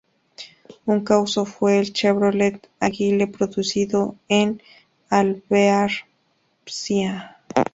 Un caso fue el del Chevrolet Agile producido en Alvear, Pcia.